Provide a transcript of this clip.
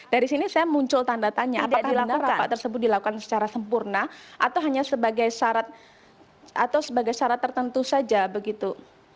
dari sini saya muncul tanda tanya apakah benar rapak tersebut dilakukan secara sempurna atau hanya sebagai syarat tertentu saja begitu